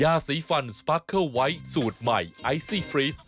ยาสีฟันสปาร์คเคอร์ไวท์สูตรใหม่ไอซี่ฟรีส